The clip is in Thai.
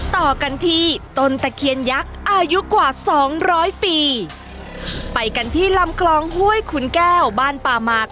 ต่อกันที่ต้นตะเคียนยักษ์อายุกว่าสองร้อยปีไปกันที่ลำคลองห้วยขุนแก้วบ้านป่าหมาก